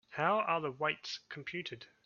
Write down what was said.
How are the weights computed?